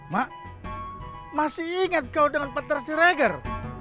mak masih inget kau dengan patar siregar